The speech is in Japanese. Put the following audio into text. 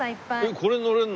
これに乗れるの？